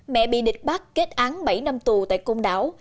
mẹ bị địch bắt kết án bảy năm tù tại công đảo